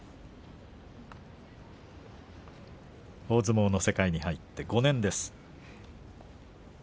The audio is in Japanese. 大相撲の世界に入って５年です。